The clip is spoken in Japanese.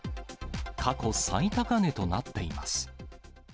過去最高値となっています。